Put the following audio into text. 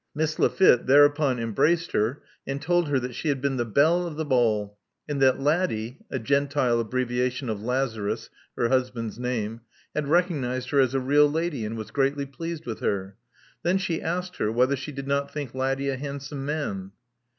Miss Lafitte thereupon embraced her, and told her that she had been the belle of the ball, and that Laddie (a Gentile abbreviation of Lazarus, her husband's name) had recognized her as a real lady, and was greatly pleased with her. Then she asked her whether she did not think Laddie a hand some man.